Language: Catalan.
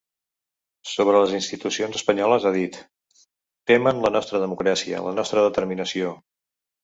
Sobre les institucions espanyoles, ha dit: Temen la nostra democràcia, la nostra determinació.